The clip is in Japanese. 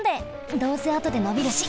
どうせあとでのびるし！